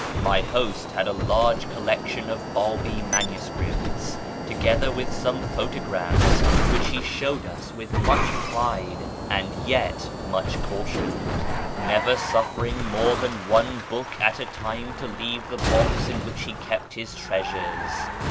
My host had a large collection of Babi manuscripts, to gether with some photographs, which he showed us with much pride and yet more caution, never suffering more than one book at a time to leave the box in which he kept his treasures.